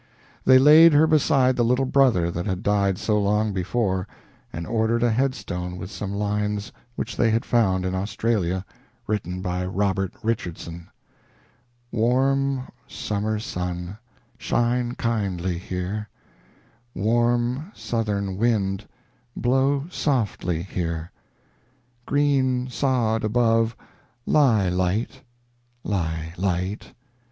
They laid her beside the little brother that had died so long before, and ordered a headstone with some lines which they had found in Australia, written by Robert Richardson: Warm summer sun, shine kindly here; Warm southern wind, blow softly here; Green sod above, lie light, lie light!